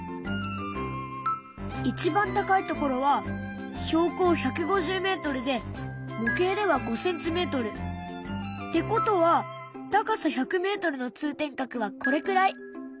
一番高い所は標高１５０ｍで模型では５ｃｍ。ってことは高さ１００ｍの通天閣はこれくらい。